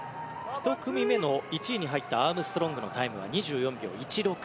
１組目の１位に入ったアームストロングのタイムは２４秒１６。